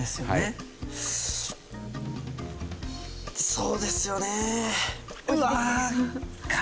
そうですよねうわ。